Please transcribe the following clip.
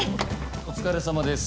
お疲れさまです。